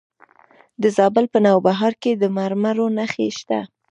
د زابل په نوبهار کې د مرمرو نښې شته.